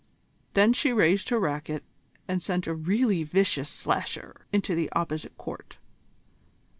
Then she raised her racquet and sent a really vicious slasher into the opposite court.